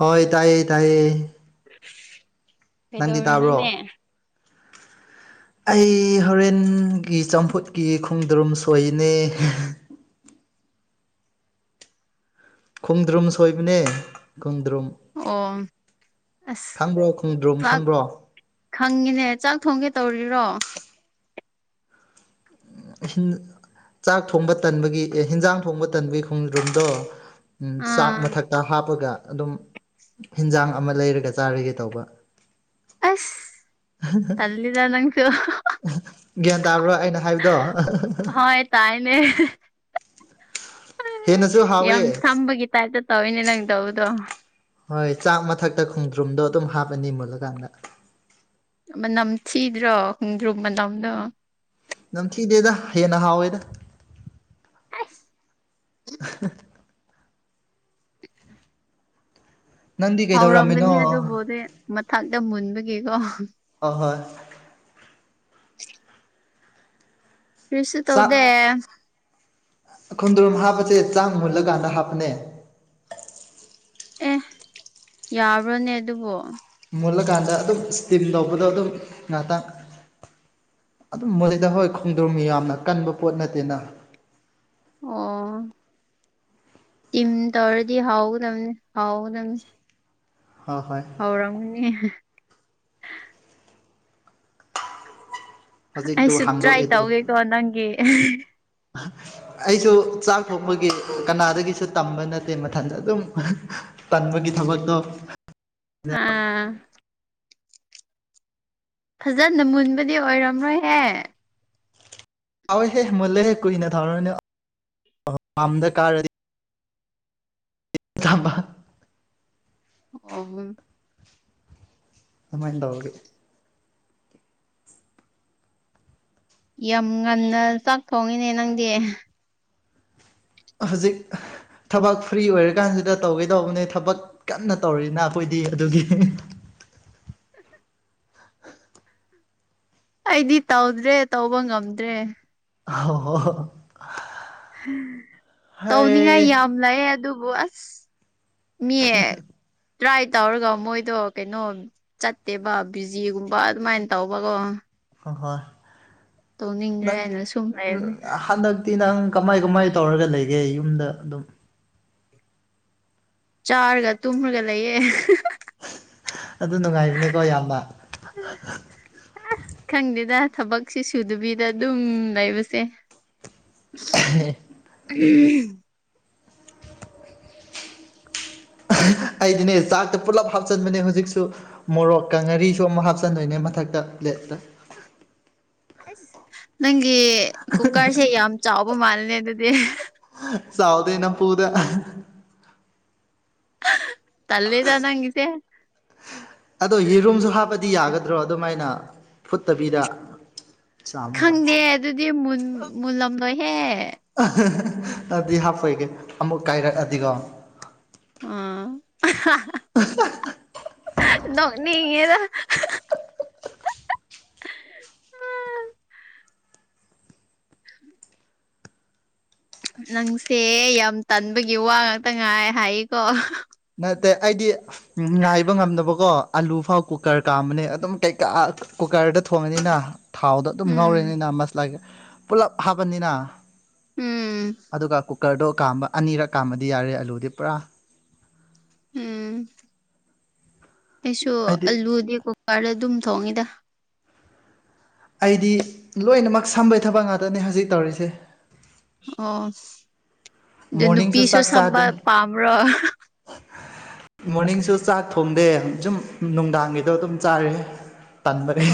ꯍꯣꯏ ꯇꯥꯏꯌꯦ ꯇꯥꯏꯌꯦ [inaudible] ꯅꯟꯗꯤ ꯇꯥꯕ꯭ꯔꯣ ꯀꯩꯗꯧꯔꯤꯅꯣꯅꯦ [inaudible] ꯑꯩ ꯍꯣꯔꯦꯟꯒꯤ ꯆꯝꯐꯨꯠꯀꯤ ꯈꯣꯡꯗ꯭ꯔꯨꯝ ꯁꯣꯏꯅꯦ ꯈꯣꯡꯗ꯭ꯔꯨꯝ ꯁꯣꯏꯕꯅꯦ ꯈꯣꯡꯗ꯭ꯔꯨꯝ ꯑꯣ ꯑꯁ ꯈꯪꯕ꯭ꯔꯣ ꯈꯣꯡꯗ꯭ꯔꯣꯨꯝ ꯆꯥꯛ ꯈꯪꯕ꯭ꯔꯣ ꯈꯪꯉꯤꯅꯦ ꯆꯥꯛ ꯊꯣꯡꯒꯦ ꯇꯧꯔꯤꯔꯣ ꯆꯥꯛ ꯊꯣꯡꯕ ꯇꯟꯕꯒꯤ ꯍꯤꯟꯖꯥꯡ ꯊꯣꯡꯕ ꯇꯟꯕꯒꯤ ꯈꯣꯡ꯭ꯔꯨꯝꯗꯣ ꯎꯝ ꯆꯥꯛ ꯑꯥ ꯃꯊꯛꯇ ꯍꯥꯞꯄꯒ ꯑꯗꯨꯝ ꯍꯤꯟꯖꯥꯡ ꯑꯃ ꯂꯩꯔꯒ ꯆꯥꯔꯒꯦ ꯇꯧꯕ ꯑꯁ ꯇꯂꯗ ꯅꯪꯁꯨꯣ ꯒ꯭ꯌꯥꯟ ꯇꯥꯕ꯭ꯔꯣ ꯑꯩꯅ ꯍꯥꯏꯕꯗꯣ ꯍꯣꯏ ꯇꯥꯏꯅꯦ ꯍꯦꯟꯅꯁꯨ ꯍꯥꯎꯋꯦ ꯌꯥꯝ ꯁꯝꯕꯒꯤ ꯇꯥꯏꯞꯇ ꯇꯧꯋꯤꯅꯦ ꯅꯪ ꯇꯧꯕꯗꯣ ꯍꯣꯏ ꯆꯥꯛ ꯃꯊꯛꯇ ꯈꯣꯡꯗ꯭ꯔꯨꯝꯗꯣ ꯑꯗꯨꯝ ꯍꯥꯞꯄꯅꯤ ꯃꯨꯜꯂꯀꯥꯟꯗ ꯃꯅꯝ ꯊꯤꯗ꯭ꯔꯣ ꯍꯣꯡꯗ꯭ꯔꯨ ꯃꯅꯝꯗꯣ ꯅꯝꯊꯤꯗꯦꯗ ꯍꯦꯟꯅ ꯍꯥꯎꯋꯦꯗ ꯑꯦꯁ ꯎ [inaudible] ꯅꯪꯗꯤ ꯀꯩꯗꯧꯔꯝꯃꯤꯅꯣ ꯍꯧꯥꯎꯔꯝꯒꯅꯤ ꯑꯗꯨꯕꯨꯗꯤ ꯃꯊꯡꯇ ꯃꯨꯟꯕꯒꯤꯀꯣ꯫ ꯑ ꯍꯣꯏ [inaudible] ꯀꯔꯤꯁꯨ ꯆꯥꯛ ꯇꯧꯗꯦ ꯈꯣꯡꯗ꯭ꯔꯨꯝ ꯍꯥꯞꯄꯁꯦ ꯆꯥꯛ ꯃꯨꯜꯂꯀꯥꯟꯗ ꯍꯥꯞꯄꯅꯦ ꯑꯦ ꯌꯥꯕ꯭ꯔꯣꯅꯦ ꯑꯗꯨꯕꯨ ꯃꯨꯜꯂꯀꯥꯟꯗ ꯑꯗꯨꯝ ꯏꯁꯇꯤꯝ ꯇꯧꯕꯗꯣ ꯑꯗꯨꯝ ꯉꯍꯥꯛꯇꯟ ꯑꯗꯨꯝ ꯃꯨꯜꯂꯤꯗꯥ ꯍꯣꯏ ꯈꯣꯡꯗ꯭ꯔꯝ ꯌꯥꯝꯅ ꯀꯟꯕ ꯄꯣꯠ ꯅꯠꯇꯦꯅ ꯑꯣ ꯇꯤꯝ ꯇꯧꯔꯗꯤ ꯍꯥꯎꯒꯗꯝꯕꯅꯤ ꯍꯥꯎꯒꯗꯝꯕꯅꯤ ꯍꯣ ꯍꯣꯏ ꯍꯧꯔꯝꯅꯦ ꯍꯧꯖꯤꯛꯇꯨ ꯑꯩꯁꯨ ꯇ꯭ꯔꯥꯏ ꯍꯥꯡꯗꯣꯛꯑꯦ ꯇꯨ ꯇꯧꯒꯦꯀꯣ ꯅꯪꯒꯤ ꯑꯩꯁꯨ ꯆꯥꯛ ꯊꯣꯡꯕꯒꯤ ꯀꯅꯥꯗꯒꯤꯁꯨ ꯇꯝꯕ ꯅꯠꯇꯦ ꯃꯊꯟꯇ ꯑꯗꯨꯝ ꯇꯟꯝꯕꯒꯤ ꯊꯕꯛꯇꯣ ꯑ ꯐꯖꯅ ꯃꯨꯟꯕꯗꯤ ꯑꯣꯏꯔꯝꯔꯣꯏꯍꯦ ꯍꯥꯎꯦꯍꯦ ꯃꯨꯜꯂꯦꯍꯦ ꯀꯨꯏꯅ ꯊꯥꯎꯔꯅꯦ ꯑ ꯄꯥꯝꯗ ꯀꯥꯔꯗꯤ ꯑꯕ ꯑꯣ ꯑꯗꯨꯃꯥꯏ ꯇꯒꯦ ꯌꯥꯝ ꯉꯟꯅ ꯆꯥꯛ ꯊꯣꯡꯉꯤꯅꯦ ꯅꯪꯗꯤ ꯍꯧꯖꯤꯛ ꯊꯕꯛ ꯐ꯭ꯔꯤ ꯑꯣꯏꯔꯀꯥꯟꯁꯤꯗ ꯇꯧꯒꯦ ꯇꯧꯕꯅꯤ ꯊꯕꯛ ꯀꯟꯅ ꯇꯧꯔꯤꯅ ꯑꯩꯈꯣꯏꯗꯤ ꯑꯗꯨꯒꯤ ꯑꯩꯗꯤ ꯇꯧꯗ꯭ꯔꯦ ꯇꯧꯕ ꯉꯝꯗ꯭ꯔꯦ ꯍ ꯍ [inaudible] ꯇꯧꯅꯤꯡꯉꯥꯏ ꯌꯥꯝ ꯂꯩꯑꯦ ꯑꯗꯨꯕꯨ ꯑꯁ ꯃꯜ [inaudible] ꯇ꯭ꯔꯥꯏ ꯇꯧꯔꯒ ꯃꯣꯏꯗꯣ ꯀꯩꯅꯣ ꯆꯠꯇꯦꯕ ꯕꯤꯖꯤꯒꯨꯝꯕ ꯑꯗꯨꯃꯥꯏꯅ ꯇꯧꯕꯒꯣ ꯍ ꯍꯣꯏ ꯅꯪ ꯍꯥꯏꯅ ꯁꯨꯝ ꯂꯩꯕꯅꯦ ꯍꯗ [inaudible] ꯅꯪ ꯀꯃꯥꯏ ꯀꯃꯥꯏ ꯇꯧꯔꯒ ꯂꯩꯒꯦ ꯌꯨꯝꯗ ꯑꯗꯨꯝ ꯆꯥꯔꯒ ꯇꯨꯝꯔꯒ ꯂꯩꯌꯦꯦ ꯑꯗꯨ ꯅꯨꯡꯉꯥꯏꯔꯤꯅꯤꯀꯣ ꯏꯌꯥꯝꯕ ꯑꯁ ꯈꯪꯗꯦꯗ ꯊꯕꯛꯁꯤ ꯁꯨꯗꯕꯤꯗ ꯑꯗꯨꯝ ꯂꯩꯕꯁꯦ ꯎꯝ ꯑꯩꯗꯤꯅꯦ ꯆꯥꯛꯇ ꯄꯨꯜꯂꯞ ꯍꯥꯞꯆꯤꯟꯕꯅꯦ ꯍꯧꯖꯤꯛꯁꯨ ꯃꯣꯔꯣꯛꯀ ꯉꯔꯤꯁꯨ ꯑꯃꯨꯛ ꯍꯥꯞꯆꯟꯗꯣꯏꯅꯦ ꯃꯊꯛꯇ ꯄꯂꯥꯇꯥ ꯑꯩꯁ ꯅꯪꯒꯤ ꯀꯨꯀꯔꯁꯦ ꯌꯥꯝ ꯆꯥꯎꯕ ꯃꯥꯜꯂꯅꯦ ꯑꯗꯨꯗꯤ ꯁꯥꯎꯗꯅ ꯄ ꯄꯨꯗ [inaudible] ꯇꯂꯦꯗ ꯉꯒꯤꯁꯦ ꯑꯗꯣ ꯌꯦꯔꯨꯝꯁꯨ ꯍꯥꯞꯄꯗꯤ ꯌꯥꯒꯗ꯭ꯔꯣ ꯑꯗꯨꯃꯥꯏꯅ ꯐꯨꯠꯇꯕꯤꯗ ꯆꯥꯝꯃꯒ ꯈꯪꯗꯦ ꯑꯗꯨꯗꯤ ꯃꯨꯟ ꯃꯨꯜꯂꯝꯗꯣꯏꯍꯦ ꯑꯗꯨꯗꯤ ꯍꯥꯞꯄꯣꯏꯒꯦ ꯑꯃꯨꯛ ꯀꯥꯏꯔꯛꯑꯗꯤꯀꯣ ꯎꯝ ꯎ ꯅꯅꯤꯌꯦꯗ ꯅꯪꯁꯦ ꯌꯥꯝ ꯇꯟꯕꯒꯤ ꯋꯥ ꯉꯥꯛꯇ ꯉꯥꯏ ꯍꯥꯏꯀꯣ ꯅꯠꯇꯦ ꯑꯩꯗꯤ ꯉꯥꯏꯕ ꯉꯝꯗꯅꯕꯀꯣ ꯑꯂꯨ ꯐꯥꯎ ꯀꯨꯀꯔ ꯀꯥꯝꯕꯅꯦ ꯑꯗꯨꯝ ꯀꯩꯀꯥ ꯀꯨꯀꯔꯗ ꯊꯣꯡꯉꯅꯤꯅ ꯊꯥꯎꯗ ꯑꯗꯨꯝ ꯎꯝ ꯉꯧꯔꯤꯅꯤꯅ ꯃꯁꯂꯥ ꯄꯨꯂꯞ ꯍꯥꯞꯄꯅꯤꯅ ꯎꯝ ꯑꯗꯨꯒ ꯀꯨꯀꯔꯗꯣ ꯀꯥꯝꯕ ꯑꯅꯤꯔꯛ ꯀꯥꯝꯕꯗꯤ ꯌꯥꯔꯦ ꯑꯂꯨꯗꯤ ꯄꯨꯔꯥ ꯎꯝ ꯑꯩꯁꯨ ꯑꯩꯗꯤ ꯑꯂꯨꯗꯤ ꯀꯨꯀꯔꯗ ꯑꯗꯨꯝ ꯊꯣꯡꯉꯤꯗ ꯑꯩꯗꯤ ꯂꯣꯏꯅꯃꯛ ꯁꯝꯕꯩ ꯊꯕꯛ ꯉꯥꯛꯇꯅꯦ ꯍꯧꯖꯤꯛ ꯇꯧꯔꯤꯁꯦ ꯑꯣ ꯑꯗꯨ ꯃꯣꯔꯅꯤꯡꯁꯨ ꯅꯨꯄꯤꯁꯨ ꯆꯥꯛ ꯆꯥꯗꯦ ꯁꯝꯕ ꯄꯥꯝꯕ꯭ꯔꯣ ꯃꯣꯔꯅꯤꯡꯁꯨ ꯆꯥꯛ ꯊꯣꯡꯗꯦ ꯁꯨꯝ ꯅꯨꯡꯗꯥꯡꯒꯤꯗꯣ ꯑꯗꯨꯝ ꯆꯥꯔꯤ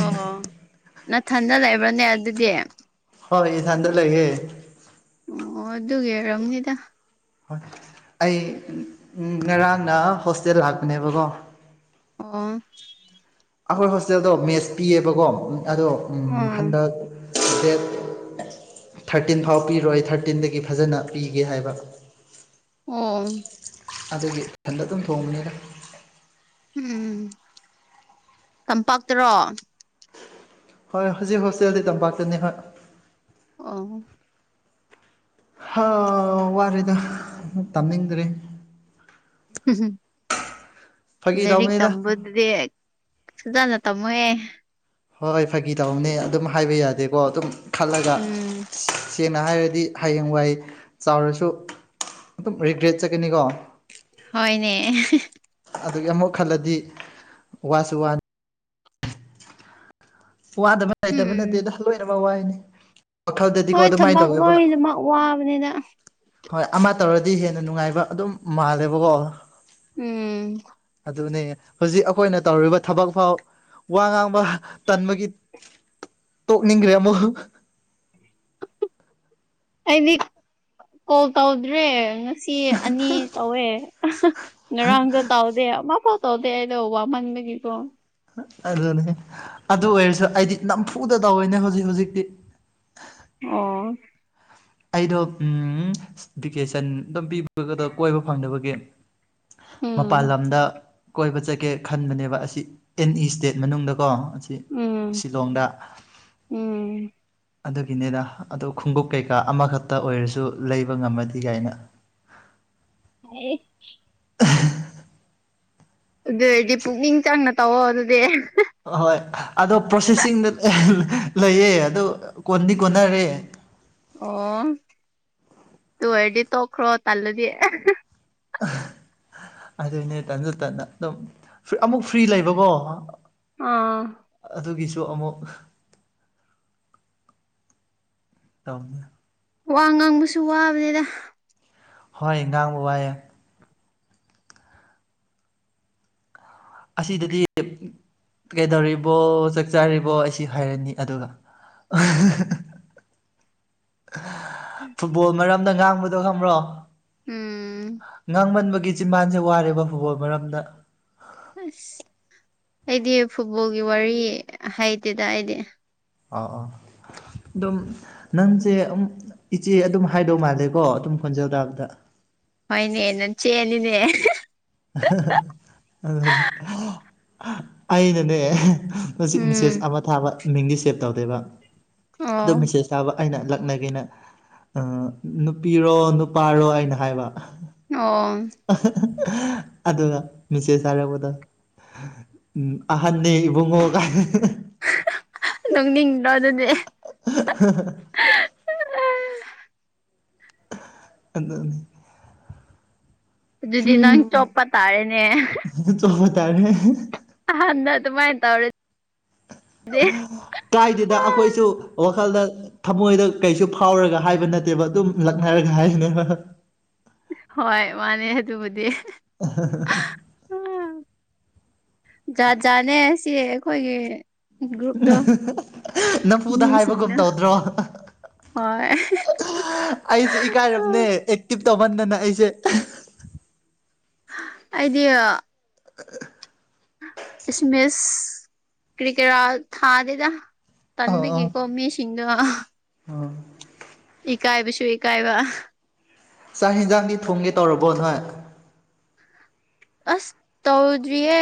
ꯑꯣ ꯅꯊꯟꯗ ꯂꯩꯕ꯭ꯔꯅꯦ ꯑꯗꯨꯗꯤ ꯍꯣꯏ ꯊꯥꯟꯗ ꯂꯩꯒꯦ ꯑꯣ ꯑꯗꯨꯒꯔꯝꯅꯤꯗ ꯍꯣꯏ ꯑꯩ ꯉꯔꯥꯡꯅ ꯍꯣꯁꯇꯦꯜ ꯂꯥꯛꯄꯅꯦꯕꯀꯣ ꯑꯣ ꯑꯩꯈꯣꯏ ꯍꯣꯁꯇꯦꯜꯗꯣ ꯃꯦꯠꯁ ꯄꯤꯌꯦꯕꯀꯣ ꯑꯗꯣ ꯎꯝ ꯍꯟꯗꯛ ꯗꯦꯠ ꯊꯥꯔꯇꯤꯟ ꯐꯥꯎ ꯄꯤꯔꯣꯏ ꯑꯩ ꯊꯥꯔꯇꯤꯟꯗꯒꯤ ꯐꯖꯅ ꯄꯤꯒꯦ ꯍꯥꯏꯕ ꯑꯣ ꯑꯗꯨꯒꯤ ꯏꯊꯟꯗ ꯑꯗꯨꯝ ꯊꯣꯡꯕꯅꯤꯅ ꯎꯝ ꯇꯝꯄꯥꯛꯇꯔꯣ ꯍꯣꯏ ꯍꯧꯖꯤꯛ ꯍꯣꯁꯇꯦꯜꯗꯤ ꯇꯝꯄꯥꯛꯇꯅꯤ ꯍꯣꯏ ꯑ [inaudible] ꯋꯥꯔꯤꯦꯗ ꯇꯥꯅꯤꯡꯗ꯭ꯔꯦ ꯐꯥꯒꯤ ꯃꯥꯔꯤ ꯇꯧꯕꯅꯤꯗ ꯇꯝꯕꯗꯤ ꯐꯖꯅ ꯇꯝꯃꯣꯏꯍꯦ ꯍꯣꯏ ꯍꯣꯏ ꯐꯥꯒꯤ ꯇꯧꯅꯦ ꯑꯗꯨꯝ ꯍꯥꯏꯕ ꯌꯥꯗꯦꯀꯣ ꯑꯗꯨꯝ ꯈꯜꯂꯒ ꯎꯝ ꯁꯦꯡꯅ ꯍꯥꯏꯔꯗꯤ ꯍꯌꯦꯡꯋꯥꯏ ꯆꯥꯎꯔꯁꯨ ꯑꯗꯨꯝ ꯔꯤꯒ꯭ꯔꯦꯠ ꯆꯠꯀꯅꯤꯀꯣ ꯍꯅꯦ ꯑꯗꯨꯗꯒꯤ ꯑꯃꯨꯛ ꯈꯜꯂꯗꯤ ꯋꯥꯁꯨ ꯋꯥꯅꯤ ꯋꯥꯗꯕ ꯂꯩꯇꯕ ꯎꯝ ꯅꯠꯇꯦꯗ ꯂꯣꯏꯅꯃꯛ ꯋꯥꯏꯅꯤ ꯋꯥꯈꯜꯗꯗꯤꯀꯣ ꯍꯣꯏ ꯑꯗꯨꯃꯥꯏꯅ ꯊꯕꯛ ꯇꯧꯋꯦꯕ ꯂꯣꯏꯅꯃꯛ ꯋꯥꯕꯅꯤꯅ ꯍꯣꯏ ꯑꯃ ꯇꯧꯔꯗꯤ ꯍꯦꯟꯅ ꯅꯨꯡꯉꯥꯏꯕ ꯑꯗꯨꯝ ꯃꯥꯜꯂꯦꯕꯀꯣ ꯎꯝ ꯑꯗꯨꯅꯦ ꯍꯧꯖꯤꯛ ꯑꯩꯈꯣꯏꯅ ꯇꯧꯔꯤꯕ ꯊꯕꯛ ꯐꯥꯎ ꯋꯥ ꯉꯥꯡꯕ ꯇꯟꯕꯒꯤ ꯇꯣꯛꯅꯤꯡꯈ꯭ꯔꯦ ꯑꯃꯨꯛ ꯑꯩꯗꯤ ꯀꯣꯜ ꯇꯧꯗ꯭ꯔꯦ ꯉꯁꯤ ꯑꯅꯤ ꯀꯧꯋꯦ ꯉꯔꯥꯡꯗꯣ ꯇꯧꯗꯦ ꯃꯥ ꯄꯥꯎ ꯇꯧꯗꯦ ꯑꯩꯗꯣ ꯋꯥꯃꯟꯕꯒꯤꯀꯣ ꯑꯗꯨꯅꯦ ꯑꯗꯨ ꯑꯣꯏꯔꯁꯨ ꯑꯩꯗꯤ ꯅꯝꯐꯨꯗ ꯇꯧꯋꯦꯅꯦ ꯍꯧꯖꯤꯛ ꯍꯧꯖꯤꯛꯇꯤ ꯑꯣ ꯑꯩꯗꯣ ꯎꯝ ꯚꯤꯀꯦꯁꯟ ꯑꯗꯨꯝ ꯄꯤꯕꯒꯗ ꯀꯣꯏꯕ ꯐꯪꯗꯕꯒꯤ ꯃꯄꯥꯟ ꯎꯝ ꯂꯝꯗ ꯀꯣꯏꯕ ꯆꯠꯒꯦ ꯈꯟꯕꯅꯦꯕ ꯑꯁꯤ ꯑꯦꯅꯤ ꯏꯁꯇꯦꯠ ꯃꯅꯨꯡꯗꯀꯣ ꯑꯁꯤ ꯎꯝ ꯁꯤꯂꯣꯡꯗ ꯎꯝ ꯑꯗꯨꯒꯤꯅꯤꯅ ꯑꯣ ꯈꯣꯡꯎꯞ ꯀꯩꯀꯩ ꯀ ꯀꯥ ꯑꯃꯈꯛꯇ ꯑꯣꯏꯔꯁꯨ ꯂꯩꯕ ꯉꯝꯃꯗꯤ ꯀꯥꯏꯅ ꯍꯥꯏ ꯑ ꯑꯗꯨ ꯑꯣꯏꯔꯗꯤ ꯄꯨꯛꯅꯤꯡ ꯆꯪꯅ ꯇꯧꯑꯣ ꯑꯗꯨꯗꯤ ꯑꯍꯣꯏ ꯑꯗꯣ ꯄ꯭ꯔꯣꯁꯦꯁꯤꯡꯗ ꯂꯩꯌꯦ ꯑꯗꯣ ꯀꯣꯟꯗꯤ ꯀꯣꯟꯅꯔꯦ ꯑꯣ ꯇ ꯑꯣꯏꯔꯗꯤ ꯇꯣꯛꯈ꯭ꯔꯣ ꯇꯜꯂꯗꯤ ꯑꯗꯨꯅꯦ ꯇꯟꯖ ꯇꯟ ꯑꯗꯨꯝ ꯑꯃꯨꯛ ꯐ꯭ꯔꯤ ꯂꯩꯕꯀꯣ ꯑꯥ ꯑꯗꯨꯒꯤꯁꯨ ꯑꯃꯨꯛ ꯇꯃꯦ ꯋꯥ ꯉꯥꯡꯕꯁꯨ ꯋꯥꯕꯅꯦꯗ ꯍꯣꯏ ꯉꯥꯡꯕ ꯋꯥꯏꯑꯦ ꯑꯁꯤꯗꯗꯤ ꯀꯩꯗꯧꯔꯤꯕꯣ ꯆꯥꯛ ꯆꯥꯔꯤꯕꯣ ꯑꯩꯁꯨ ꯍꯥꯏꯔꯅꯤ ꯑꯗꯨꯒ ꯐꯨꯠꯕꯣꯜ ꯃꯔꯝꯗ ꯉꯥꯡꯕꯗꯣ ꯈꯪꯕ꯭ꯔꯣ ꯎꯝ ꯉꯥꯡꯃꯟꯕꯒꯤ ꯁꯤ ꯃꯥꯥꯟꯁꯦ ꯋꯥꯔꯦꯕ ꯐꯨꯠꯕꯣꯜ ꯃꯔꯝꯗ ꯑꯁ ꯑꯩꯗꯤ ꯐꯨꯠꯕꯣꯜꯒꯤ ꯋꯥꯔꯤ ꯍꯥꯏꯩꯇꯦꯗ ꯑꯩꯗꯤ ꯑꯥ ꯑꯥ ꯑꯗꯨꯝ ꯅꯪꯁꯦ ꯑꯗꯨꯝ ꯏꯆꯦ ꯑꯗꯨꯝ ꯍꯥꯏꯗꯧ ꯃꯥꯜꯂꯦꯀꯣ ꯑꯗꯨꯝ ꯈꯣꯟꯖꯦꯜ ꯇꯥꯕꯗ ꯍꯣꯏꯅꯦ ꯅ ꯆꯦꯅꯤꯅꯦ ꯑꯗꯨ ꯑꯩꯅꯅꯦ ꯍꯧꯖꯤꯛ ꯎꯝ ꯃꯦꯁꯦꯖ ꯑꯃ ꯊꯥꯕ ꯃꯤꯡꯗꯤ ꯁꯦꯞ ꯇꯧꯗꯦꯕ ꯑ ꯑꯣ ꯃꯦꯁꯦꯁ ꯆꯥꯕ ꯑꯩꯅ ꯂꯛꯅꯒꯦꯅ ꯅꯨꯄꯤꯔꯣ ꯅꯨꯄꯥꯔꯣ ꯑꯅ ꯍꯥꯏꯕ ꯑꯣ ꯑꯗꯨꯒ ꯃꯤꯁꯦꯁ ꯍꯥꯏꯔꯕꯗꯣ ꯎꯝ ꯑꯍꯟꯅꯤ ꯏꯕꯨꯡꯉꯣ ꯅꯅꯤꯡꯗꯣ ꯑꯗꯨꯅꯦ [inaudible] ꯍꯅꯤ ꯑꯗꯨꯗꯤ ꯅꯪ ꯆꯣꯛꯞꯄ ꯇꯥꯔꯦꯅꯦ ꯑꯗꯨ ꯆꯣꯡꯕ ꯇꯥꯔꯦ ꯍ ꯅ ꯑꯗꯨꯃꯥꯏ ꯇꯧꯔꯦ ꯀꯥꯏꯗꯨꯗ ꯑꯩꯈꯣꯏꯁꯨ ꯋꯥꯈꯜꯗ ꯊꯃꯣꯏꯗ ꯀꯩꯁꯨ ꯐꯥꯎꯔꯒ ꯍꯥꯏꯕ ꯅꯠꯇꯦꯕ ꯑꯗꯨꯝ ꯂꯛꯅꯔꯒ ꯍꯥꯏꯕꯅꯦꯕ ꯍꯣꯏ ꯃꯥꯅꯦ ꯑꯗꯨꯕꯨꯗꯤ ꯑꯣ ꯖꯥꯠ ꯖꯥꯠꯅꯦ ꯁꯤ ꯑꯩꯈꯣꯏꯒꯤ ꯒ꯭ꯔꯨꯨꯞꯗ ꯅꯝꯐꯨꯗ ꯃꯤ ꯍꯥꯏꯕꯒꯨꯝ ꯁꯤꯟꯗ ꯇꯧꯗ꯭ꯔꯣ ꯍꯣꯏ ꯑꯩꯁꯨ ꯏꯀꯥꯏꯝꯅꯦ ꯑꯦꯛꯇꯤꯚ ꯇꯧꯍꯟꯗꯅ ꯑꯩꯁꯦ ꯑꯩꯗꯤ ꯑ ꯏꯁꯃꯦꯁ ꯀꯔꯤꯀꯦꯔꯥ ꯊꯥꯗꯦꯗ ꯇꯟ ꯑꯣ ꯀꯦ ꯑꯣ ꯀꯣꯃ ꯁꯤꯁꯤꯡꯗꯨ ꯑꯣ ꯏꯀꯥꯏꯕꯁꯨ ꯏꯀꯥꯏꯕ ꯆꯥꯛ ꯍꯟꯖꯥꯡꯗꯤ ꯊꯣꯡꯒꯦ ꯇꯧꯔꯕꯣ ꯅꯣꯏ ꯑꯁ ꯇꯧꯗ꯭ꯔꯤꯌꯦ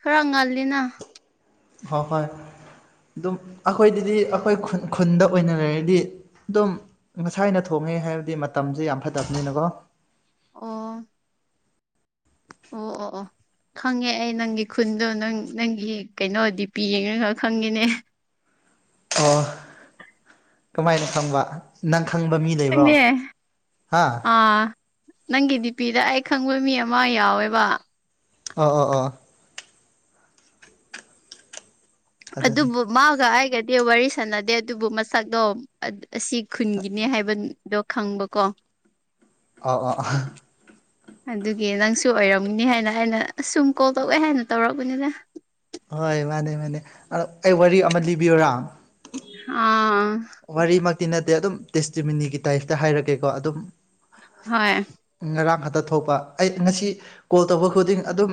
ꯈꯔ ꯉꯜꯂꯤꯅ ꯍꯣꯏ ꯍꯣꯏ ꯑꯗꯨꯝ ꯑꯩꯈꯣꯏꯗꯗꯤ ꯑꯩꯈꯣꯏ ꯈꯨꯟ ꯈꯨꯟꯗ ꯑꯣꯏꯅ ꯂꯩꯔꯗꯤ ꯑꯗꯨꯝ ꯉꯁꯥꯏꯅ ꯊꯣꯡꯉꯦ ꯍꯥꯏꯕꯗꯤ ꯃꯇꯝꯁꯦ ꯌꯥꯝ ꯐꯠꯇꯕꯅꯤꯅꯀꯣ ꯑꯣ ꯑꯣ ꯑꯣ ꯑꯣ ꯈꯪꯉꯦ ꯑꯩ ꯅꯪꯒꯤ ꯈꯨꯟꯗꯣ ꯅꯪ ꯅꯪꯒꯤ ꯀꯩꯅꯣ ꯗꯤ ꯄꯤ ꯌꯦꯡꯉꯒ ꯈꯪꯉꯦꯅꯦ ꯑꯣ ꯀꯃꯥꯏꯅ ꯈꯪꯕ ꯅꯪ ꯈꯪꯕ ꯃꯤ ꯂꯩꯕ꯭ꯔꯣ ꯆꯦ ꯍꯥ ꯑꯥ ꯅꯪꯒꯤ ꯗꯤꯄꯤꯤꯗ ꯑꯩ ꯈꯪꯕ ꯃꯤ ꯑꯃ ꯌꯥꯎꯋꯦꯕ ꯑꯣ ꯑꯣ ꯑꯣ ꯑꯗꯨ ꯑꯗꯨꯅꯤ ꯃꯥꯒ ꯑꯩꯒꯗꯤ ꯋꯥꯔꯤ ꯁꯥꯟꯅꯗꯦ ꯑꯗꯨꯕꯨ ꯃꯁꯗꯣ ꯑꯁꯤ ꯈꯨꯟꯒꯤꯅꯤ ꯍꯥꯏꯕ ꯑꯗꯣ ꯈꯪꯕꯀꯣ ꯑ ꯑꯥ ꯑ [unintelligible] ꯑꯗꯨꯒꯤ ꯅꯪꯁꯨ ꯑꯣꯏꯔꯝꯒꯅꯤ ꯍꯥꯏꯅ ꯑꯩꯅ ꯁꯨꯝ ꯀꯣꯜ ꯇꯧꯦ ꯍꯥꯏꯅ ꯇꯧꯔꯛꯔꯕꯅꯤꯅ ꯍꯣꯏ ꯃꯥꯅꯦ ꯃꯥꯅꯦ ꯑꯗꯣ ꯑꯩ ꯋꯥꯔꯤ ꯑꯃ ꯂꯤꯕꯤꯌꯔꯥ ꯑꯥ ꯋꯥꯔꯤꯃꯛꯇꯤ ꯅꯠꯇꯦ ꯑꯗꯨꯝ ꯇꯦꯁꯇꯤꯃꯤꯅꯤꯒꯤ ꯇꯥꯏꯞꯇ ꯍꯥꯏꯔꯛꯀꯦꯀꯣ ꯑꯗꯨꯝ ꯍꯣꯏ ꯉꯔꯥꯡ ꯍꯛꯇ ꯊꯣꯛꯄ ꯑꯩ ꯉꯁꯤ ꯀꯣꯜ ꯇꯧꯕ ꯈꯨꯗꯤꯡ ꯑꯗꯨꯝ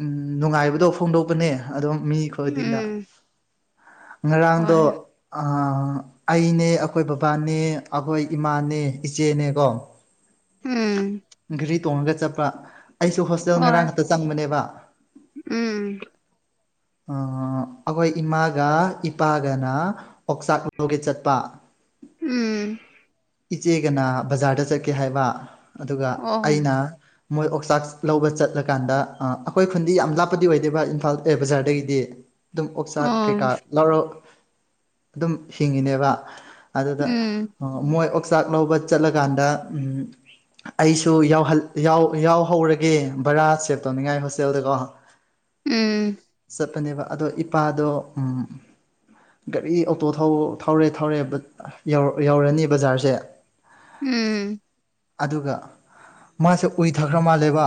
ꯎꯝ ꯅꯨꯡꯉꯥꯏꯕꯗꯣ ꯐꯣꯡꯗꯣꯛꯄꯅꯦ ꯑꯗꯨꯝ ꯃꯤ ꯈꯨꯣꯏꯗꯤꯡꯗ ꯎꯝ ꯉꯔꯥꯡꯗꯣ ꯍꯣꯏ ꯑꯩꯅꯦ ꯑꯈꯣꯏ ꯕꯕꯥꯅꯦ ꯑꯈꯣꯏ ꯏꯃꯥꯅꯦ ꯏꯆꯦꯅꯦꯀꯣ ꯎꯝ ꯒꯔꯤ ꯇꯣꯡꯉꯒ ꯆꯠꯄ ꯑꯩꯁꯨ ꯍꯣꯁꯇꯦꯜ ꯉꯔꯥꯡ ꯍꯣꯏ ꯈꯛꯇ ꯆꯪꯕꯅꯦꯕ ꯎꯝ ꯑ ꯑꯈꯣꯏ ꯏꯃꯥꯒ ꯏꯄꯥꯒꯅ ꯑꯣꯛꯆꯥꯛ ꯂꯧ [unintelligible] ꯒꯦ ꯆꯠꯄ ꯎꯝ ꯏꯆꯦꯒꯅ ꯕꯖꯥꯔꯗ ꯆꯠꯀꯦ ꯍꯥꯏꯕ ꯑꯗꯨꯒ ꯑꯣ ꯑꯩꯅ ꯃꯣꯏ ꯑꯣꯛꯆꯥꯛꯁ ꯂꯧꯕ ꯆꯠꯂꯀꯥꯟꯗ ꯑꯩꯈꯣꯏ ꯈꯨꯟꯗꯤ ꯌꯥꯝ ꯂꯥꯞꯄꯗꯤ ꯑꯣꯏꯗꯦꯕ ꯏꯝꯐꯥꯜ ꯑꯦꯔ ꯕꯖꯥꯔꯗ ꯑꯗꯒꯤꯗꯤ ꯑꯗꯨꯝ ꯑꯣꯛꯆꯥꯛ ꯑꯣ ꯀꯩꯀꯥ ꯂꯧꯥꯎꯔꯣ ꯑꯗꯨꯝ ꯍꯤꯡꯉꯤꯅꯦꯕ ꯑꯗꯨꯗ ꯎꯝ ꯑꯣ ꯃꯣꯏ ꯑꯣꯛꯆꯥꯛ ꯂꯧꯕ ꯆꯠꯂꯀꯥꯟꯗ ꯎꯝ ꯑꯩꯁꯨ ꯌꯥꯎꯍꯧꯔꯒꯦ ꯕꯔꯥ ꯁꯦꯞ ꯇꯧꯅꯤꯡꯉꯥꯏ ꯍꯣꯁꯇꯦꯜꯗꯀꯣ ꯎꯝ ꯆꯠꯄꯅꯦꯕ ꯑꯗꯣ ꯏꯄꯥꯗꯣ ꯎꯝ ꯒꯥꯔꯤ ꯑꯣꯇꯣ ꯊꯧꯔꯦ ꯊꯧꯔꯦ ꯕꯠ ꯌꯧ ꯌꯧꯔꯅꯤ ꯕꯖꯥꯔꯁꯦ ꯎꯝ ꯑꯗꯨꯒ ꯃꯥꯁꯦ ꯎꯏꯊꯈ꯭ꯔ ꯃꯥꯜꯂꯦꯕ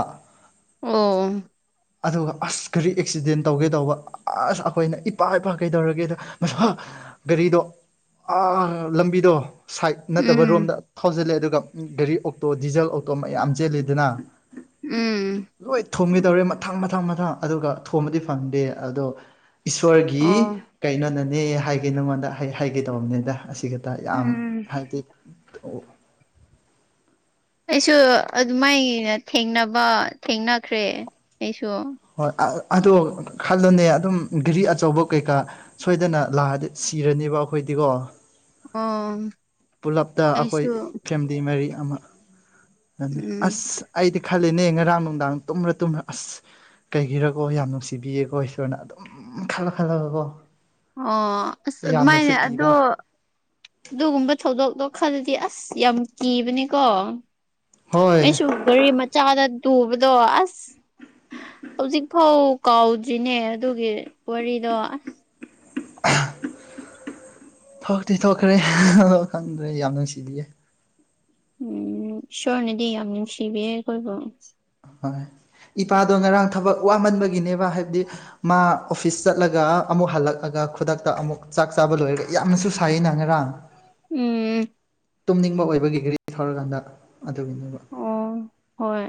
ꯑꯣ ꯑꯗꯨꯒ ꯑꯁ ꯀꯔꯤ ꯑꯦꯛꯁꯤꯗꯦꯟ ꯇꯧꯒꯦ ꯇꯧꯕ ꯑꯁ ꯑꯈꯣꯏꯅ ꯏꯄꯥ ꯏꯄꯥ ꯀꯩꯗꯧꯔꯒꯦꯗ ꯃꯁꯥ ꯒꯥꯔꯤꯗꯣ ꯑꯥ ꯂꯝꯕꯤꯗꯣ ꯁꯥꯏꯠ ꯅꯠꯇꯕ ꯎꯝ ꯔꯣꯝꯗ ꯊꯥꯎꯖꯤꯜꯂꯦ ꯑꯗꯨꯒ ꯒꯥꯔꯤ ꯑꯣꯛꯇꯣ ꯗꯤꯖꯜ ꯑꯣꯛꯇꯣ ꯃꯌꯥꯝ ꯆꯦꯜꯂꯤꯗꯅ ꯎꯝ ꯂꯣꯏ ꯊꯨꯝꯒꯦ ꯇꯧꯔꯦ ꯃꯊꯪ ꯃꯊꯪ ꯃꯊꯪ ꯑꯗꯨꯒ ꯊꯣꯕꯗꯤ ꯐꯪꯗꯦ ꯑꯗꯣ ꯏꯁꯣꯔꯒꯤ ꯑꯣ ꯀꯩꯅꯣꯅꯅꯦ ꯍꯥꯏꯒꯦ ꯅꯉꯣꯟꯗ ꯍꯥꯏꯒꯦ ꯇꯧꯝꯅꯤꯗ ꯑꯁꯤꯒ ꯗ ꯌꯥꯝ ꯎꯝ ꯍꯥꯏꯗꯤ [unintelligible] ꯑꯩꯁꯨ ꯑꯗꯨꯃꯥꯏꯅ ꯊꯦꯡꯅꯕ ꯊꯦꯡꯅꯈ꯭ꯔꯦ ꯑꯩꯁꯨ ꯍꯣꯏ ꯑ ꯑꯗꯣ ꯈꯜꯂꯣꯅꯦ ꯑꯗꯨꯝ ꯒꯔꯤ ꯑꯆꯧꯕ ꯀꯩꯀꯥ ꯁꯣꯏꯗꯅ ꯂꯥꯛꯑꯗꯤ ꯁꯤꯔꯅꯤꯕ ꯑꯩꯈꯣꯏꯗꯤꯀꯣ ꯑꯣ ꯄꯨꯂꯞꯇ ꯑꯈꯣꯏ ꯑꯩꯁꯨ ꯐꯦꯝ [unintelligible] ꯃꯔꯤ ꯑꯃ ꯅ ꯎꯝ ꯑꯁ ꯑꯩꯗꯤ ꯈꯜꯂꯤꯅꯦ ꯉꯔꯥꯡ ꯅꯨꯡꯗꯥꯡ ꯇꯨꯝ꯭ꯔ ꯇꯨꯝꯔ ꯑꯁ ꯀꯩꯒꯤꯔꯒꯣ ꯌꯥꯝ ꯅꯨꯡꯁꯤꯕꯤꯌꯦꯀꯣ ꯏꯁꯣꯔꯅ ꯑꯗꯨꯝ ꯈꯜꯂ ꯈꯜꯂꯒꯀꯣ ꯑꯣ ꯑꯁ ꯑꯗꯨꯃꯥꯏꯅꯦ ꯌꯥꯝꯅꯁꯨ ꯑꯗꯣ ꯀꯤꯕ ꯑꯗꯨꯒꯨꯝꯕ ꯊꯧꯗꯣꯛꯇꯣ ꯈꯔꯂꯗꯤ ꯑꯁ ꯌꯥꯝ ꯀꯤꯕꯅꯤꯀꯣ ꯍꯣꯏ ꯑꯩꯁꯨ ꯒꯥꯔꯤ ꯃꯆꯥꯗ ꯇꯨꯕꯗꯣ ꯑꯁ ꯍꯧꯖꯤꯛ ꯐꯥꯎ ꯀꯥꯎꯗ꯭ꯔꯤꯅꯦ ꯑꯗꯨꯒꯤ ꯋꯥꯔꯤꯗꯣ ꯑꯁ [unintelligible] ꯊꯣꯛꯇꯤ ꯊꯣꯛꯈ꯭ꯔꯦ ꯑꯗꯣ ꯈꯪꯗ꯭ꯔꯦ ꯌꯥꯝ ꯅꯨꯡꯁꯤꯕꯤꯌꯦ ꯎꯝ ꯏꯁꯣꯔꯅꯗꯤ ꯌꯥꯝ ꯅꯨꯡꯁꯤꯕꯤꯌꯦ ꯑꯩꯈꯣꯏꯕꯨ ꯍꯣꯏ ꯏꯄꯥꯗꯣ ꯉꯔꯥꯡ ꯊꯕꯛ ꯋꯥꯃꯟꯕꯒꯤꯅꯦꯕ ꯍꯥꯏꯕꯗꯤ ꯃꯥ ꯑꯣꯐꯤꯁ ꯆꯠꯂꯒ ꯑꯃꯨꯛ ꯍꯜꯂꯛꯑꯒ ꯈꯨꯗꯛꯇ ꯑꯃꯨꯛ ꯆꯥꯛ ꯆꯥꯕ ꯂꯣꯏꯔꯒ ꯌꯥꯝꯅꯁꯨ ꯁꯥꯏ ꯏ ꯅꯉꯔꯥꯡ ꯎꯝ ꯇꯨꯝꯅꯤꯡꯕ ꯑꯣꯏꯕꯒꯤ ꯒꯔꯤ ꯊꯧꯔꯀꯥꯟꯗ ꯑꯗꯨꯒꯤꯅꯦꯕ ꯑꯣ ꯍꯣꯏ